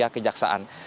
dan juga ke jaksaan